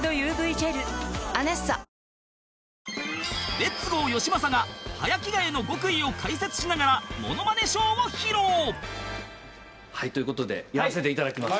レッツゴーよしまさが早着替えの極意を解説しながらモノマネショーを披露！という事でやらせて頂きます。